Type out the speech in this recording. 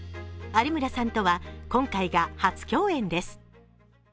有村さんとは今回が初共演です。